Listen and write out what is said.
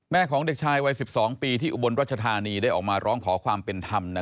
ของเด็กชายวัย๑๒ปีที่อุบลรัชธานีได้ออกมาร้องขอความเป็นธรรม